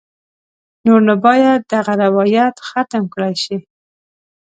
نور نو باید دغه روایت ختم کړای شي.